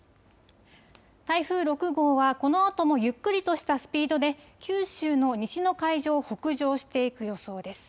台風６号はこのあともゆっくりとしたスピードで九州の西の海上を北上していく予想です。